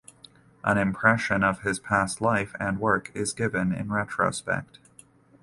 An impression of his past life and work is given in retrospect.